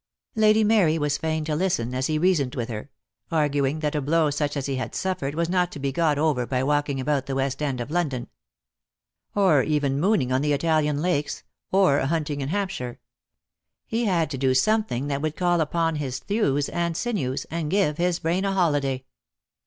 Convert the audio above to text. ' Lady Mary was fain to listen as he reasoned \vith her, arguing that a blow such as he had suffered was not to be got over by walking about the West End of London, or even mooning on the Italian Lakes, or hunting in Hampshire. He had to do something that would call upon his thews and sinews, and give his brain a holiday.